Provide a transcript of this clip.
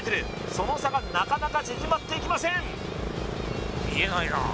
その差がなかなか縮まっていきません